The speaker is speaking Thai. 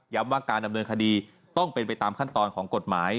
ว่าการดำเนินคดีต้องเป็นไปตามขั้นตอนของกฎหมาย